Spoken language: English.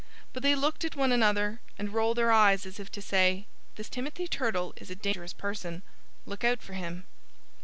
But they looked at one another and rolled their eyes as if to say, "This Timothy Turtle is a dangerous person. Look out for him!"